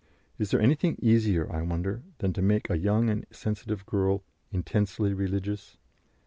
Is there anything easier, I wonder, than to make a young and sensitive girl "intensely religious"?